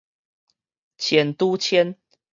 千拄千